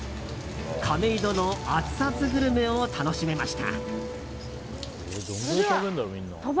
亀戸のアツアツグルメを楽しめました。